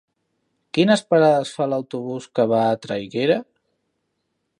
Quines parades fa l'autobús que va a Traiguera?